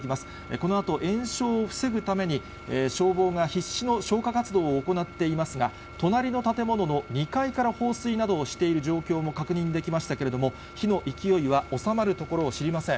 このあと延焼を防ぐために、消防が必死の消火活動を行っていますが、隣の建物の２階から放水などをしている状況も確認できましたけれども、火の勢いは収まるところを知りません。